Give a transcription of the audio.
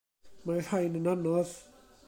Mae'r rhain yn anodd.